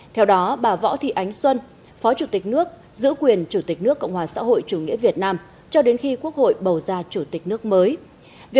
theo đó bà võ thị ánh xuân phó chủ tịch nước giữ quyền chủ tịch nước cộng hòa xã hội chủ nghĩa việt nam cho đến khi quốc hội bầu ra chủ tịch nước mới